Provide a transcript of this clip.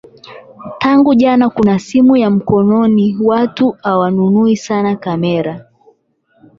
Tangu kuja kwa simu ya mkononi watu hawanunui sana kamera